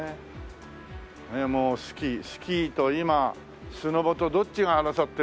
もうスキースキーと今スノボとどっちが争ってるのかね？